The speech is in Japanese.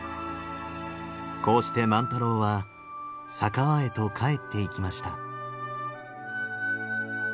こうして万太郎は佐川へと帰っていきました。